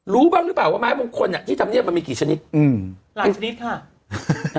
รู้บ้างหรือเปล่าว่าไม้มงคลอ่ะที่ทำเนียบมันมีกี่ชนิดอืมหลายชนิดค่ะ